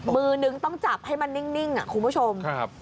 มือหนึ่งต้องจับให้มันนิ่งคุณผู้ชมครับฮะครับ